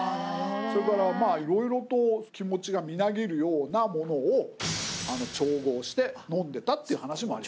それからまあ色々と気持ちがみなぎるようなものを調合して飲んでたっていう話もあります。